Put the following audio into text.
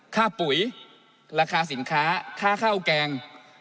ปุ๋ยราคาสินค้าค่าข้าวแกง